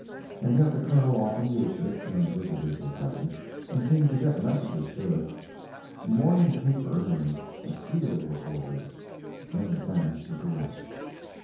And yet the Colonel often used it—when visitors were present—and seemed to get messages through it. Mourning paper and a seal were ordered, then the friends took a rest.